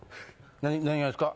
何がですか？